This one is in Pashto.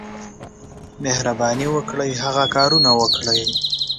مهرباني وکړئ، هغه کار وکړئ.